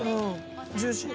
ジューシー。